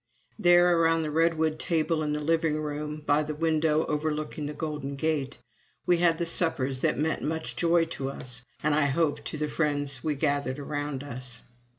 There, around the redwood table in the living room, by the window overlooking the Golden Gate, we had the suppers that meant much joy to us and I hope to the friends we gathered around us.